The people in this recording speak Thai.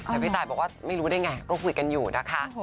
แต่พี่ตายบอกว่าไม่รู้ได้ไงก็คุยกันอยู่นะคะ